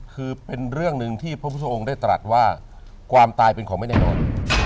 คือเป็นเรื่องหนึ่งที่พระพุทธองค์ได้ตรัสว่าความตายเป็นของไม่แน่นอน